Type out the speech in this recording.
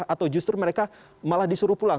atau justru mereka malah disuruh pulang